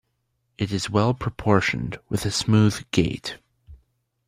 It is well proportioned, with a smooth gait.